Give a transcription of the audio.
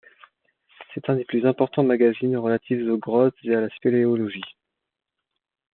C'est un des plus importants magazines relatifs aux grottes et à la spéléologie.